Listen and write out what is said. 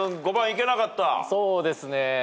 そうですね。